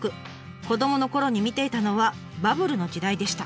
子どものころに見ていたのはバブルの時代でした。